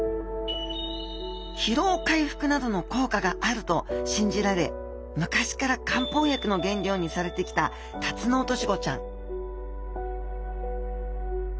疲労回復などの効果があると信じられ昔から漢方薬の原料にされてきたタツノオトシゴちゃん